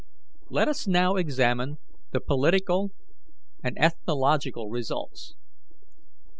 "Let us now examine the political and ethnological results.